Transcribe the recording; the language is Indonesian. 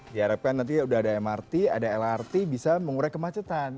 diharapkan nanti sudah ada mrt ada lrt bisa mengurai kemacetan